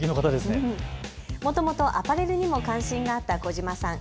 もともとアパレルにも関心があった児嶋さん。